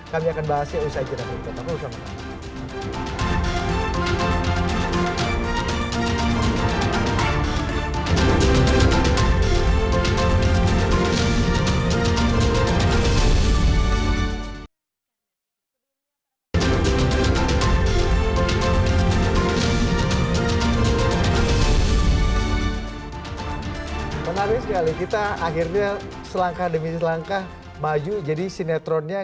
kami akan bahasnya usai cerahnya